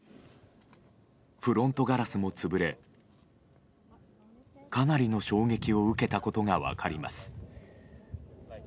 フロントガラスも潰れかなりの衝撃を受けたことが分かります。